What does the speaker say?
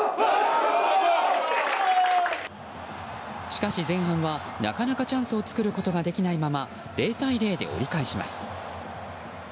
しかし前半はなかなかチャンスを作ることができないまま０対０で折り返します。